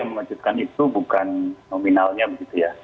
mengejutkan itu bukan nominalnya begitu ya